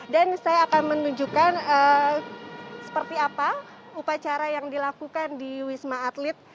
dan saya akan menunjukkan seperti apa upacara yang dilakukan di wisma atlet